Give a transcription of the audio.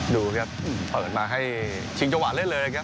ดูครับเปิดมาให้ชิงจังหวะเล่นเลยนะครับ